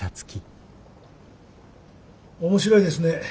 面白いですね。